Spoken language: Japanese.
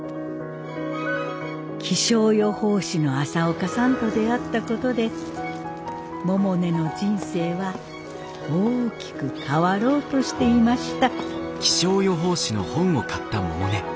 気象予報士の朝岡さんと出会ったことで百音の人生は大きく変わろうとしていました。